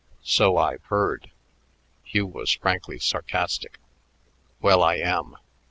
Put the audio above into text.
"So I've heard." Hugh was frankly sarcastic. "Well, I am."